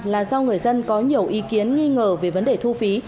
là do người dân có nhiều ý kiến nghi ngờ về vấn đề thu phí